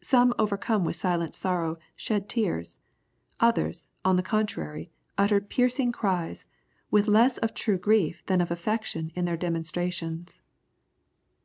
Some overcome with silent sorrow shed tears, others, on the contrary, uttered piercing cries, with less of true grief than of affectation in their demonstrations.